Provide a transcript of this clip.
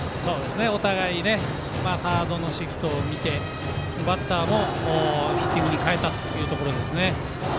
お互いにサードのシフトを見てバッターもヒッティングに変えたというところですね。